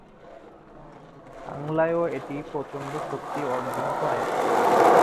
বাংলায়ও এটি প্রচন্ড শক্তি অর্জন করে।